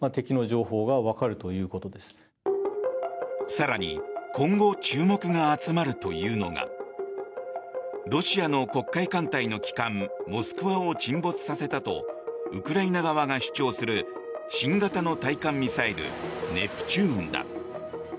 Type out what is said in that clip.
更に今後、注目が集まるというのがロシアの黒海艦隊の旗艦「モスクワ」を沈没させたとウクライナ側が主張する新型の対艦ミサイルネプチューンだ。